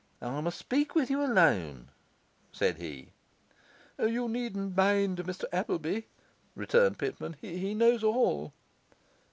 'I must speak with you alone,' said he. 'You need not mind Mr Appleby,' returned Pitman. 'He knows all.